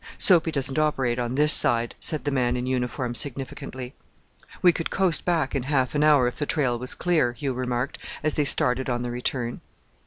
"Soapy doesn't operate on this side," said the man in uniform significantly. "We could coast back in half an hour if the trail was clear," Hugh remarked, as they started on the return.